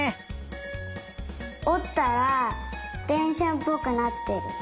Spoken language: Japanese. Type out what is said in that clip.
おったらでんしゃっぽくなってる。